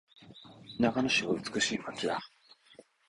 長野市は美しい街だ。